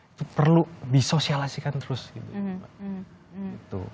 itu perlu disosialisasikan terus gitu